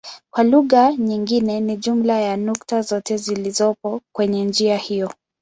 Kwa lugha nyingine ni jumla ya nukta zote zilizopo kwenye njia hiyo.